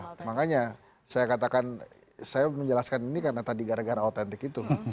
nah makanya saya katakan saya menjelaskan ini karena tadi gara gara autentik itu